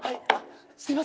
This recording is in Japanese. すいません。